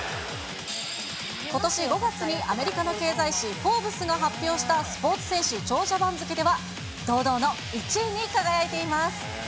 ことし５月にアメリカの経済誌、フォーブスが発表したスポーツ選手長者番付で堂々の１位に輝いています。